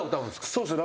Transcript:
そうっすね